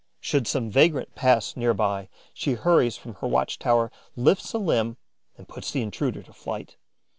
Should some vagrant pass near by, she hurries from her watch tower, lifts a limb and puts the intruder to flight.